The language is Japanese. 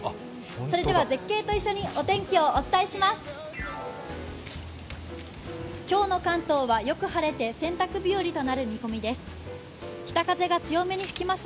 それでは絶景と一緒にお天気をお伝えします。